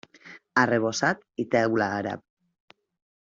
Arrebossat i teula àrab.